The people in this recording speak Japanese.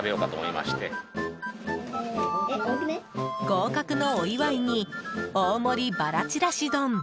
合格のお祝いに大盛りばらちらし丼。